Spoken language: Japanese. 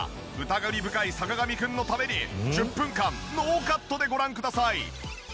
疑り深い坂上くんのために１０分間ノーカットでご覧ください。